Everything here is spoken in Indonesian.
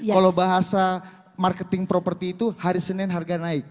kalau bahasa marketing properti itu hari senin harga naik